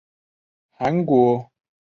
韩国一般以南怡之狱称呼此事。